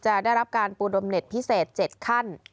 ได้รับการปูดมเน็ตพิเศษ๗ขั้น